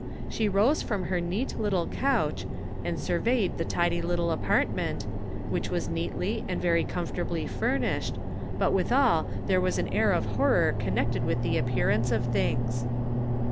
She rose from her neat little couch, and surveyed the tidy little apartment, which was neatly and very comfoi'tably furnished, but withal there was an air of horror connected with the appearance of things.